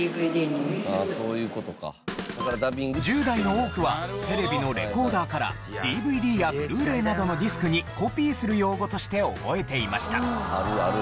１０代の多くはテレビのレコーダーからＤＶＤやＢｌｕ−ｒａｙなどのディスクにコピーする用語として覚えていました。